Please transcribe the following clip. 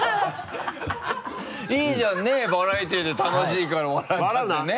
いいじゃんねバラエティーで楽しいから笑ったってね。